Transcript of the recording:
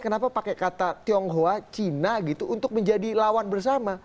kenapa pakai kata tionghoa cina gitu untuk menjadi lawan bersama